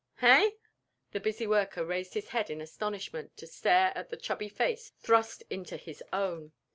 "Hey?" The busy worker raised his head in astonishment to stare into the chubby face thrust into his own.